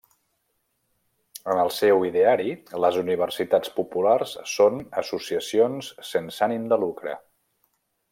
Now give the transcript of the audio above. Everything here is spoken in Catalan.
En el seu ideari les Universitats Populars són associacions sense ànim de lucre.